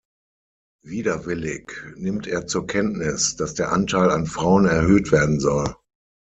Widerwillig nimmt er zur Kenntnis, dass der Anteil an Frauen erhöht werden soll.